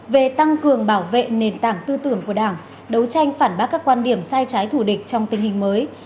về tăng cường bảo vệ nền tảng tư tưởng của đảng đấu tranh phản bác các quan điểm sai trái thù địch trong tình hình mới